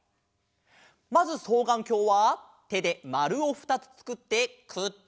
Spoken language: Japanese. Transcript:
まずそうがんきょうはてでまるをふたつつくってくっつけます。